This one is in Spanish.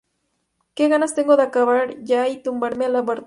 Qué ganas tengo de acabar ya y tumbarme a la bartola